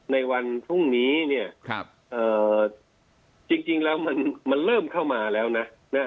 ในวันพรุ่งนี้เนี่ยจริงแล้วมันเริ่มเข้ามาแล้วนะ